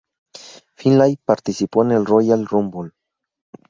Finlay participó en el Royal Rumble.